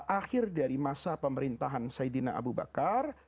akhir dari masa pemerintahan saidina abu bakar